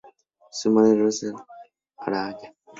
Su madre es Rosa Eugenia Lavín Araya.